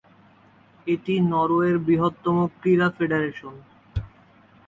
এটি নরওয়ের বৃহত্তম ক্রীড়া ফেডারেশন।